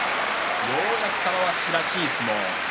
ようやく玉鷲らしい相撲。